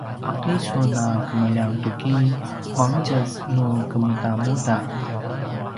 ’aki sun a kemljang tuki mangtjez nu kemudamuda?